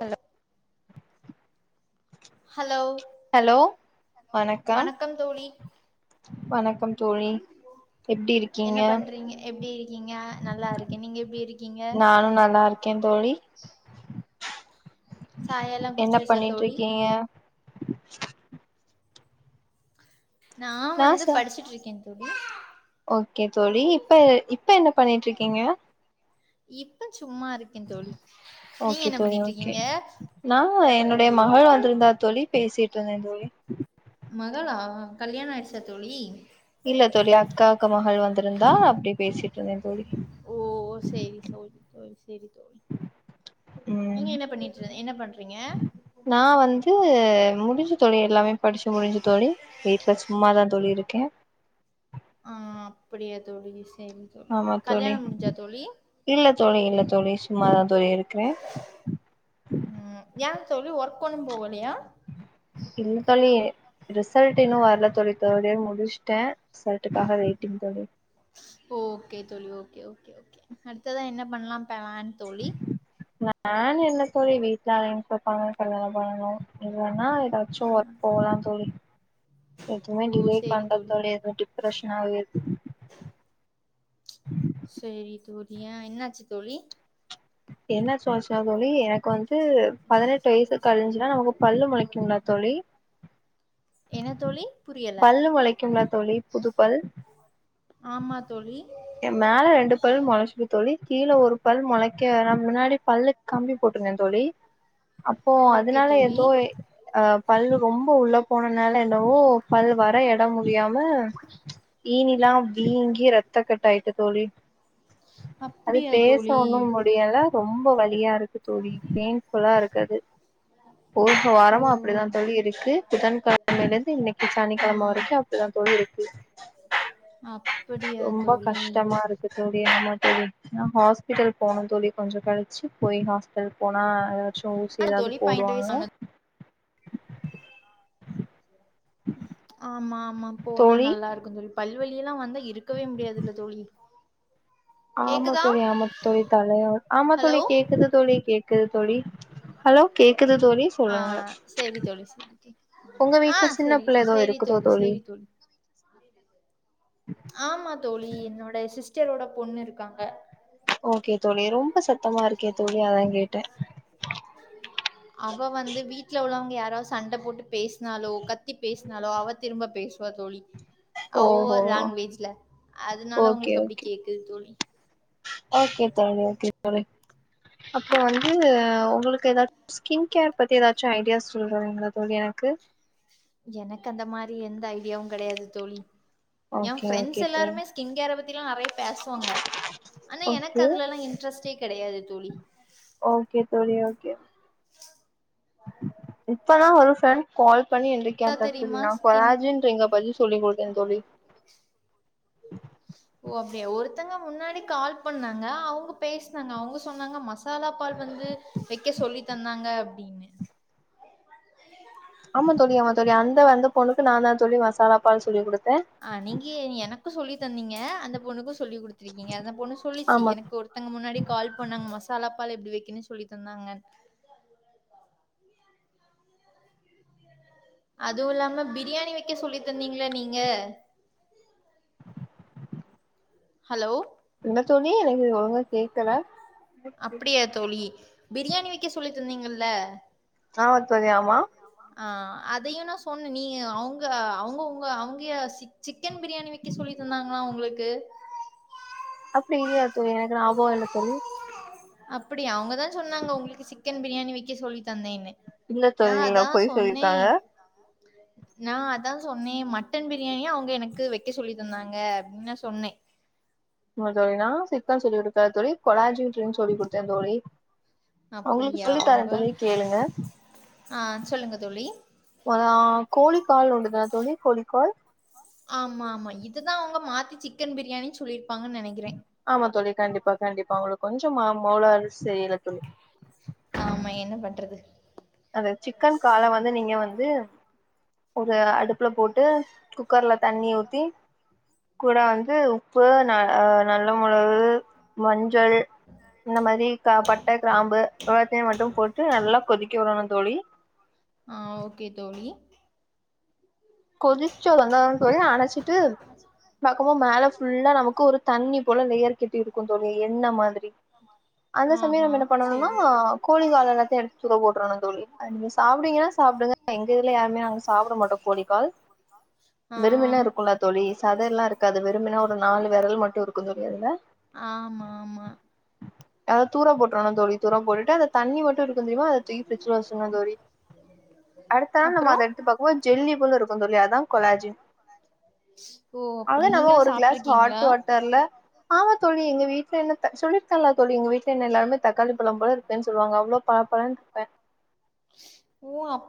Hello hello hello வணக்கம் தோழி வணக்கம் தோழி எப்டி என்ன இருக்கீங்க பண்றீங்க எப்படி இருக்கீங்க நல்லா இருக்கே நீங்க எப்படி இருக்கீங்க நானு நல்லா இருக்கே தோழி சாயால்லா என்ன குடிச்சாச்சா பண்ணிட்டு தோழி இருக்கீங்க நான் நா வந்து ச படிச்சிட்டு இருக்கேன் தோழி ஓகே தோழி இப்ப இப்ப என்ன பண்ணிட்டு இருக்கீங்க இப்ப சு சும்மா இருக்கேன்னு தோழி நீங்க ஓகே என்ன பண்ணிட்டு இருக்கீங்க டைய மகள் வந்திருந்தா தோழி பேசிட்டு இருந்தே தோழி மகளா கல்யாணம் ஆயிடுச்சா தோழி இல்ல தோழி அக்கா அக்க மகள் வந்திருந்தா அப்டி பேசிட்டு இருந்தேன் தோழி ஓ செரி செரி செரி ம் என்ன பண்ணிட்டு இருந்த- என்ன பண்றீங்க நான் வந்து முடிஞ்சி தோழி எல்லாமே படிச்சு முடிஞ்சி தோழி வீட்ல சும்மாதான் தோழி இருக் கே ஆ அப்படியா தோழி சரித் தோழி ஆமா தோழி கல்யாணம் முடிஞ்சா தோழி இல்ல தோழி இல்ல தோழி சும்மாதா தோழி இருக்கே ஏ தோழி ஒர் [unintelligible] போவலையா இல்ல தோழி ரிசல் ரிசல்ட் இன்னு வரல தோழி தேட்இயர் முடிச்சிட்டே சட்டுகாக வெயிட்டிங் தோழி ஓகே தோழி ஓகே ஓகே ஓகே அடுத்ததா என்ன பண்ணலா பண்ணலா தோழி நா என்ன தோழி வீட்ல அலைன்ஸ் பாப்பாங்க கல்யாணம் பண்ணணு இல்லனா எதாச்சு ஒர்க் போலா தோழி எதுவு ஓ சேரி தோழி [unintelligible] எதோ டிப்ரெஷ்னாவே இருக்கு செரி தோழி ஏ என்னாச்சு தோழி என்ன [unintelligible] தோழி எனக் வந்து பதனெட் வய்சு கழிஞ்சுதா நமக்கு பல்லு முளைக்குன்ல தோழி என்ன தோழி புரியல பல்லு முளைக்குங்ல தோழி புதுப்பல் ஆமா தோழி எ மேல ரெண்டு பல் மொளச்சிது தோழி கீழ ஒரு பல் மொளைக்க ந முன்னாடி பல்லுக் கம்பி போட்ருந்த தோழி அப்போ ஓகே அதனால தோழி எதோ அ பல்லு ரொம்ப உள்ள போனனால என்னவோ பல் வர எட முடியாம ஈனிலா வீங்கி ரத் தக்கட்டாய்ட்டு தோழி அது அப்டியா பேச தோழி ஒன்னு முடியல ரொம் ரொம்ப வலியா இருக்கு தோழி பெயின்ஃபுல்லா இருக்கது [inaudible] ஓ வாரம அப்டிதா தோழி இருக்கு புதன்கெழமையிலந்து இன்னிக்கி ஆ சனிக்கெழம வரைக்கு அப்டிதா தோழி இருக் கு அப்படியா ரொம்ப தோழி கஷ்டமாருக்கு தோழி ஆமா தோழி நா ஹாஸ்பிட்டல் போனு தோழி கொஞ்சோ கழிச்சு போய் ஹாஸ்பிட்டல் போனா ஊசி ஆ எதாவ்து தோழி பதினெட்டு போடுவாங்க வயசு ஆனது ஆமா ஆமா போனா தோழி நல்லாருக்கு தோழி பல்வலி எல்லா வந்தா இருக்கவே முடியாதுல்ல தோழி ஆமா கேக்குதா தோழி ஆமா தோழி தல ஆமா தோழி ஹலோ கேக்குது தோழி கேக் குது தோழி ஹலோ கேக்குது தோழி அ சொல்லுங்க செரி தோழி செரி உங்க [inaudible] அ வீட்ல சின்ன செரி பிள்ள ஏதோ செரி இருக்குதோ தோழி செரி தோழி ஆமா தோழி என்னோட சிஸ் டரோட பொண்ணு இருக்காங்க ஓகே தோழி ரொம்ப சத்தமா இருக்கே தோழி அதா கேட்ட அவ வந்து வீட்ல உள்ளவங்க யா ராவ்த் சண்ட போட்டு பேஸ்னாலோ கத்தி பேஸ் னாலோ அவ திரும்ப பேஸ்வா தோழி ஓ அவ ஓகோ லாங்குவேஜ்ல அதனால ஓகே உங்களுக்கு அப்டி ஓகே கேக்குது தோழி ஓகே தோழி ஓகே தோழி அப்போ வந்து உங்களுக்கு ஏதாச்சு ஸ்கின் கேர் பத்தி ஏதாச்சு ஐடியாஸ் சொல்றிங்களா தோழி எனக்கு எனக்கு அந்த மாரி எந்த ஜ டியா கிடையாது தோழி என் ஓகே ப்ரெண்ட்ஸ் ஓகே தோழி எல்லாருமே ஸ்கின் கேர பத்தி எல்லா நறைய பேசுவாங்க ஆனா எனக்கு ஓகே அதுல எல்லாம் இன்ட்ரெஸ்ட்டே கிடையாது தோழி ஓகே தோழி ஓகே இப்பதா ஒரு ஃப்ரெண்ட் கால் பணி என்ட கேட்டா தோழி தெரியுமா ஸ்கின் கொலாஜ்யின்றீங்க பதில் சொல்லி கொடுக்குறதோழி ஓ அப்படியா ஒருத்தங்க முன்னாடி கால் பண்ணாங்க அவங்க பேசினாங்க அவங்க சொன்னாங்க மசாலா பால் வந்து வெக்க சொல்லி தந்தாங்க அப்படின்னு ஆமா தோழி ஆமா தோழி அந்த வந்த பொண்ணுக்கு நான் தா சொல்லி மசாலா பால் சொல்லி கொடுத் அ நீங்கே எனக்கு சொல்லி தன்னீங்க அந்த பொண்ணுக்கும் சொ சொல்லி கொடுத்திருக்கீங்க அந்த பொண்ணு சொல்லிச்சு ஆமா எனக்கு ஒருத்தங்க முன்னாடி கால் பண்ணாங்க மசாலா ப்பால எப்படி வைக்கன்னு சொல்லி தந்தாங்க அதுவும் இல்லாம பிரியாணி வைக்க சொல்லி தந்தீங்கள நீங்க ஹலோ என்ன தோழி எனக்கு ஒழுங்க கேட்க்கல அப்படியா தோழி பிரியாணி வைக்க சொல்லி தந்தீங்கல்ல ஆமா தோழி ஆமா ஆ அதையும் நான் சொன்னேன் நீ அவங்க அவங்கவுங்க அவங்க சி சிக்கன் பிரியாணி வைக்க சொல்லி தந்தாங்களா உங்களுக்கு கு அப்படி இல்லையாது தோழி எனக்கு ஞாபகம் இல்ல தோழி அப்படி அவங்கதா சொன்னாங்க உங்களுக்கு சிக்க பிரியாணி வைக்க சொல்லி தந்தேன்னு இல்ல தோழி இல்ல பொய் சொல்லிருக்காங்க நான் அதான் சொன்னே மட்டன் பிரியாணிய அவங்க எனக்கு வைக்க சொல்லிதந்தாங்க அப்படின்னு நான் சொன்னே ஆமா தோழி நா சிக்கன் சொல்லி கொடுத்தே தோழி கொலாஜி ட்ங்கனு சொல்லி கொடுத்தே தோழி உங்களுக்கு அப்படியா சொல்லி தரே அவங்க தோழி கேளுங்க ஆ சொல்லுங்க தோழி ஆ மொத கோழி கால் உண்டு தான தோழி கோழி கால் ஆமா ஆமா இதுதான் அவங்க மாத்தி சிக்கன் பிரியாணின்னு சொல்லி ஆமா தோழி கண்டிப்பா கண்டிப்பா உங்களுக்கு கொஞ்சமா மோளறு செய்யறது ஆமா என்ன பண்றது அந்த சிக்கன் கால வந்து நீங்க வந்து ஒரு அடுப்புல போட்டு குக்கர்ல தண்ணி ஊத்தீ கூட வந்து உப்பு ந ஆ நல்ல மொளகு மஞ்சள் இந்த மாரி க பட்ட கிராம்பு எல்லாத்தையு மட்டும் போட்டு நல்லா கொதிக்க விடணு தோழி ஆ ஓகே தோழி கொதிச்சல் வந்தொன்ன தோழி அணைச்சிட்டு பாக்கும்போ மேல ஃபுல்லா நமக்கு ஒரு தண்ணி போல லேயர் கெட்டி இருக்கு தோழி எண்ண மாதிரி அந்த சமயோ ஆஹா நம்ம என்ன பண்ணணுனா சேரி கோழி கால எல்லாத்தையு எடுத்து தூர போட்டுறோணு தோழி அட்வைஸ் சாப்பிடுவிங்கன்னா சாப்டுங்க எங்க இதுல யருமே நாங்க சாப்பிட மாட்டோ கோழி கால் ஆ விரும்பின இருக்குல்ல தோழி சதை எல்லா இருக்காது விரும்பினா ஒரு நாலு விரல் மட்டு இருக்கு தோழி அதுல ஆமா ஆமா அப் தூர போட்டுறனு தோழி தூர போட்டுட்டு அந்த தண்ணி மட்டு இருக்குந் தெரியுமா அதை தூக்கி ஃபிரிட்ஜில வெச்சிருன்னு தோழி அடுத்த நாள் நம்ம அப்றோ அத எடுத்து பாக்கும்போது ஜெல்லி போல இருக்கு ஆமா தோழி அதா கொலாஜின் ஓ அப்டி அவ்ளனாலு நீங்களா ஒரு கிளாஸ் ஹாட் சாப்ட்ருக்கீங்களா வாட்டர்ல ஆமா தோழி எங்க வீட் ல என்னத்த சொல்லிருக்கல்ல தோழி எங்க வீட் ல என்ன எல்லாருமே தக்காளி பழம் போல இருப்பேன்னு சொல்லுவாங்க அவ்ளோ பள பள ப்பே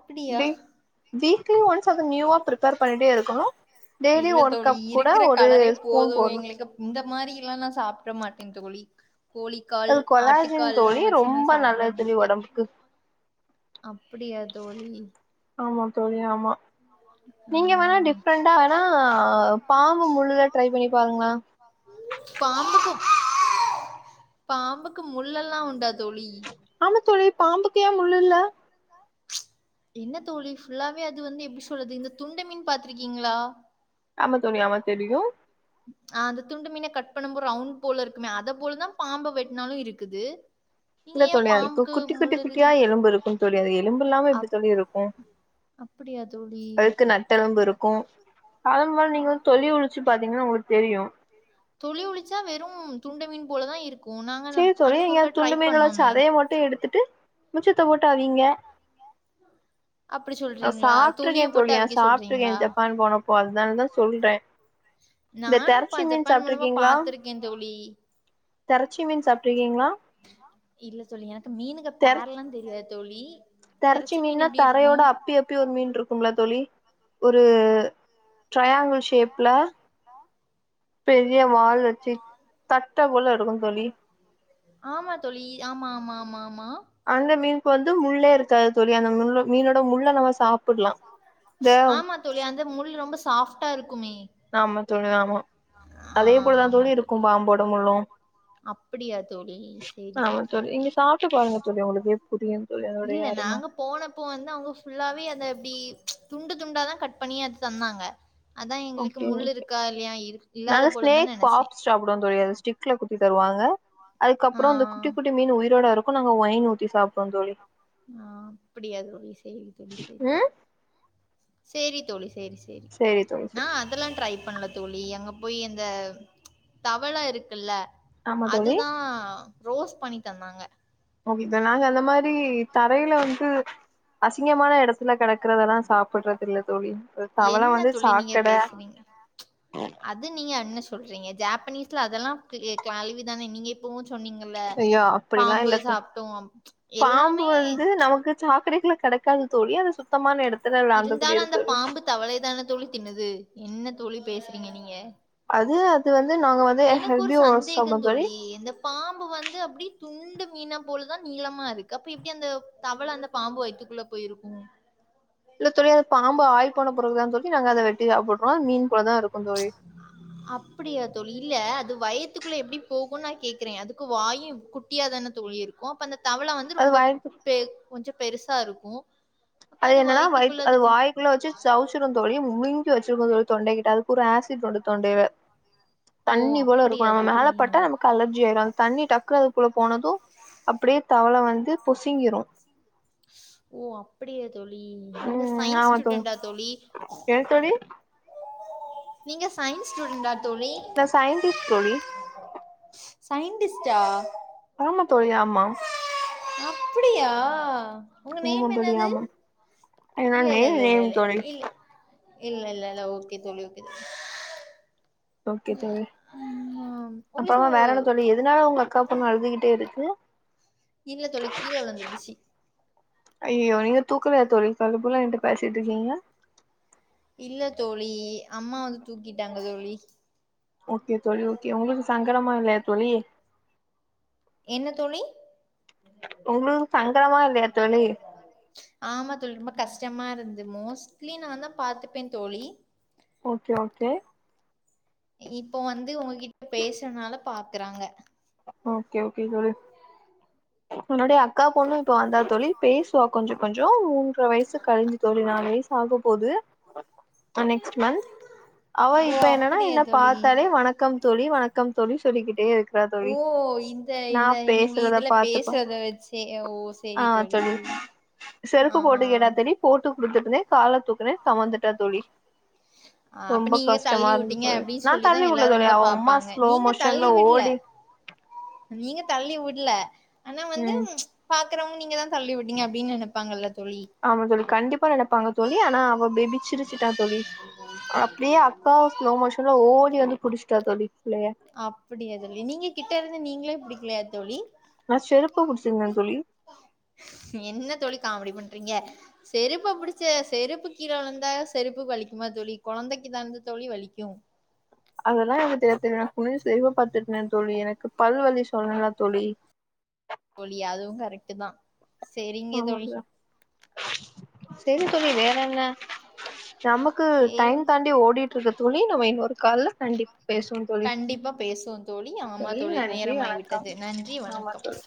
ப்டியா வீக்லி ஒன்ஸ் அத நியூவா ப்ரிப்பேர் பண்ணின்டே இருக்கணு டெய்லி இல்ல ஒரு தோழி கப் கூட ஒரு ஸ்பூன் போடுலா மாரி எல்லா நா சாப்பிட மாட்டேன் தோழி கோழிக்கால் அது கொலாஜின் ஆட்டுக்கால் எல்லா தோழி வெச்சு நா ரொம்ப சாப்பிட நல்லது தோழி மாட்டேன் ஒடம்புக்கு அப்டியா தோழி ஆமா தோழி ஆமா ஆ நீங்க வேணா டிஃப்ரெண்டா வேணா ஆ பா பாம்புக்கும் பாம்புக்கு முள்ளெல்லா உண்டா தோழி பாம்பு ஏ முள் இல்ல என்ன தோழி ஃபுல்லாவே அது வந்து எப்டி சொல்றது இந்த துண்ட மீன் பாத்திருக்கீங்ளா ஆமா தோழி ஆமா தெரியு ஆ அந்த துண்டு மீன கட் பண்ணும்போது ரவுண்ட் போல இருக்குமே அத போலதான் பாம்ப வெட்னாலு இருக்குது நீங்க இல்ல ஏ தோழி அதுக்கு பாம்புக்கு குட்டி குட்டி முள் குட்டியா இருக்கு எலும்பு இருக்கும் தோழி அது எலும்பு இல்லாம எப்டி அப் தோழி இருக்கு அப்டியா தோழி அதுக்கு நட்டெலும்பு இருக்கு அதும்போல நீங்க தொள்ளி உறிச்சு பாத்தீங்கன்னா உங்களுக்கு தெரியு தொளி ஒலிச்சா வெறும் துண்ட மீன் போலதான் இருக்கு சேரி தோழி இங்க துண்டு மீன வெச்சி சதைய மட்டு எடுத்துட்டு மிச்சத்தை போட்டு அவீங்க அப்படி அத சொல்றீங்களா? சாப்பிட்டு துளிய இருக்கேன் போட்டு தோழி அவிக்க சொல்றீங்களா? சாப்பிட்டுருக்கேன் ஜப்பான் போனப் ஓ அதனாலதா சொல்றே இந்த நானும் தெரச்சி மீன் ஜப்பான் மூலமா சாப்ட்ருக்கீங்களா பாத்துருக்கே தோழி தெரச்சி மீன் சாப்ட்ருக்கீங்களா இல்ல தோழி எனக்கு மீனுங்க பேரலாம் தெரியாது தோழி தெறச்சி திரச்ச மீன் மீன்னா எப்படி தரையோட இருக்கும்? அப்பி அப்பி ஒரு மீன் இருக்கும்ல்ல தோழி ஒரு டரையாங்கிள் ஷேப்ல பெரிய வால் வச்சு தட்ட போல இருக்கு தோழி ஆமா தோழி ஆமா ஆமா ஆமாம் அந்த மீனுக்கு வந்து முள்ளே இருக்காது தோழி அந்த முள் மீனோட முள்ள நம்ம சாப்டலாம் இந்த சாஃப்டா இருக் ஆமா தோழி ஆமா அதே போலதான் தொழில் இருக்கும் பாம்போடம் அப்புடியா தோழி சரி ஆமா சரி தோழி நீங்க சாப்ட்டு பாருங்க தோழி உங்களுக்கே புரியு தோழி இல்ல அதோடைய அரும நாங்க போனப்போ வந்து அவங்க ஃபுல்லாவே அத எப்டி துண்டு துண்டாதான் கட் பண்ணி அடுத்துட் வந்தாங்க அதான் எங்களுக்கு ஓகே முள் ஓகே இருக்கா இல்லையா இல்லாத போல தான் நெனைச்சேன் ரியாது ஸ்டிக்ல குத்தி தருவாங்க ங்க ஆ அதுக்கப்புறம் இந்த குட்டி குட்டி மீன் உயிரோட இருக் ப்ப நாங்க ஒய்ன் ஊத்தி சாப்டுவோம் தோழி ஆ அப்பிடியா தோழி சேரி சேரி ம் சேரி தோழி சேரி சேரி தோழி சேரி நான் அதெல்லா ட்ரை ப ண்ணல தோழி அங்க போய் அந்த தவள இருக்குல்ல ஆமா தோழி அதுதா ரோஸ் பண்ணி தந்தாங்க இதெல்லாங்க அந்த மாதிரி தரையில வந்து அசிங்கமான எடத்துல கெடக்குறதெல்லா சாப்பிடுறது இல்லை தோழி ஒரு தவள என்ன வந்து தோழி நீங்க சாக்கட பேசுறீங்க? அது நீங்க என்ன சொல்றீங்க ஜாப்பனீஸ்ல அதெல்லாம் எ க கழுவிதானே நீங்க எப்போவு ஐயோ அப்பிடில்லா இல்லத் தோழ் சாப்ட்டோம் பாம்பு எல்லாமே வந்து நமக்கு சாக்கடைகள கெடக்காது தோழி அது சுத் இருந்தாலு அந்தப் பாம்பு தவளயதானே தோழி தின்னுது என்ன தோழி பேசுறீங்க நீங்க அது வந்து நாங்க வந்து எனக்கு ஒரு ஹெர்பிவோரஸ் சாப்டுவோ சந்தேகந் தோழி இந்த பாம்பு வந்து அப்டி துண்டு மீனைப் போல தான் நீளமா இருக்கு அப்ப எப்டி அந்தத் தவள அந்த பாம்பு வயித்துக்குள்ள போயிருக்கும் இல்ல தோழி அந்த பாம்பு ஆய் போன பிறகுதா தோழி நாங்க அத வெட்டி சாப்பிடறோ அது மீன் போலதா இருக்கு தோழி அப்படியா இல்ல அது வயித்துக்குள்ள எப்பிடி போகு நா கேக்குறே அதுக்கு வாயு குட்டியா தான தோழி இருக்கு அப்ப அந்த தவள வந்து அது ரொம்ப வயித்து பே கொஞ்ச பெருசா இருக்கு அது என்னனா வயித் அது வாய்குள்ள வச்சு சவுச்சிரு தோழி முழுங்கி வச்சிருக்கு அதோட தொண்டை கிட்ட ஒரு ஆஸி ட் ஓடு தொண்டைல ஓ! தண்ணி போல அப்படியா இருக்கு நம்ம தோழி? மேலபட்டா நமக்கு அலர்ஜி ஆயிரு அந்த தண்ணி டக் குனு அதுக்குள்ள போனது அப்பிடியே தவள வந்து பொசுங்கிரு ஓ அப்புடிய தோழி நீங்க ம் சயின்ஸ் ஆமா ஸ்டூடெண்டா தோழி என்ன தோழி நீங்க சயின்ஸ் ஸ்டூடண்டா நா சயின்டிஸ்ட் தோழி சயின்டிஸ்டா ஆமா தோழி ஆமா அப்புடியா உங்க ஆமா நேம் தோழி என்னது ஆமா ஏனா இல்ல இல்ல நேம் இல்ல நேம் இல்ல தோழி இல்லே இல்லல்ல இல்ல ஓகே தோழி ஓகே தோழி ஓகே தோழி ம். அப்பறமா வேற என்ன உங்களுக்கு தோழி எதனால உங்க அக்கா பொண்ணு அழுதுகிட்டே இருக்கு இல்ல தோழி கீழ விழுந்துடுச்சு ஐயயோ நீங்க தூக்கவேல தோழி அதுக்குள்ள என்ட்ட பேசிட்ருக்கிங்க இல்ல தோழி அம்மா வந்து தூக்கிட்டாங் க தோழி ஓகே தோழி ஓகே உங்களுக்கு சங்கடமா இல்லயா தோழி என்ன தோழி உங்களுக்கு சங்கடமா இல்லயா தோழி ஆமா தோழி ரொம்ப கஷ்டமா இருந்து மோஸ்ட்லி நாந்தா பாத்துப்பே தோழி ஓகே ஓகே இப்போ வந்து உங்ககிட்ட பேசுறனால பாக்கறாங்க ஓகே ஓகே தோழி என்னுடைய அக்கா பொண்ணு இப்ப வந்தா தோழி பேசுவா கொஞ்ச கொஞ்ச மூன்ற வயசு கழிஞ்சு தோழி நாலு வயசு ஆகப்போது நெக்ஸ்ட் மன்த் அவ ஓ இப்ப என்னனா அப்படியா என்ன தோழி பாத்தாலே வணக்கம் தோழி வணக்கம் தோழி சொல்லிகிட்டே இருக் ஓ இந்த இந்த நீங்க பேசுறத இதுல பாத்து பாத் பேசறத வச்சே ஓ சரி தோழி சரி ஆ ஆ வித்துடுத்தே கால தூக்குறே கமந்துட்டா தோழி அப்ப ரொம்ப நீங்க கஷ்டமா தள்ளி இருந்து விட்டீங்க தோழி அப்படின்னு நா சொல்லிதான் தள்ளிவுடல எல்லாரும் தோழி உங்கள அவ வும்மா பாப்பாங்க ஸ்லோ நீங்க மோஷன்ல தள்ளி ஓடி விடல நீங்க தள்ளிவிடல ஆனா வந்து ம் பா பாக்கிறவங்க நீங்கதா தள்ளி விட்டங்க அப்டின்னு நைப்பாங்கல்ல ஆமா தோழி கண்டிப்பா நெனைப்பாங்க தோழி ஆனா அவ பேபி சிரிச்சிட்டா ஸ்லோ மோஷன்ல ஓடி வந்து புடிச்சுட்டா தோழி புள்ளைய அப்டிய தோழி நீங்க கிட்ட இருந்து நீங்களே பிடிக் ல்லையா தோழி ந செருப்பு புடிச்சிருந்த தோழி றிங்க செருப்பு புடிச்ச செருப்பு கீழ உழுந்தா செருப்புக்கு வலிக் ஆமா தோழி கொழந்தைக்கு தாந்த தோழி வலிக்கு அதெல்லா எங்க [unintelligible] [unintelligible] தோழி எனக்கு பல்வலி சொன்னன்ல தோழி தோழி அதுவு கரெக்ட்டு தா செரிங்க தோழி சேரி தோழி வேற என்ன நமக்கு டைம் சேரி தாண்டி ஓடி ட்டுற்கு தோழி நம்ம இன்னொரு கால்ல கண்டிப் கண்டிப்பா பேசுவோ தோழி ஆமா தோழி நன்றி நேரமாய் வணக்கம் விட்டது நன்றி ஆமா வணக்கம் தோழி